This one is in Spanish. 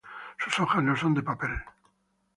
Sus hojas no son de papel.